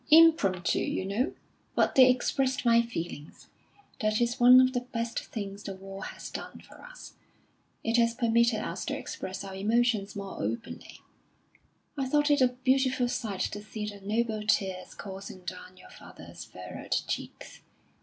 "Impromptu, you know; but they expressed my feelings. That is one of the best things the war has done for us. It has permitted us to express our emotions more openly. I thought it a beautiful sight to see the noble tears coursing down your father's furrowed cheeks.